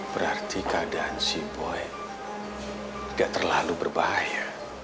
berarti keadaan si boy gak terlalu berbahaya